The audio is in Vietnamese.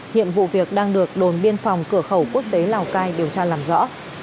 hiện vụ việc đang được đồn biên phòng cửa khẩu quốc tế lào cai điều tra làm rõ